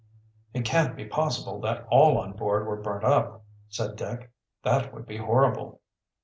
"It can't be possible that all on board were burnt up," said Dick. "That would be horrible."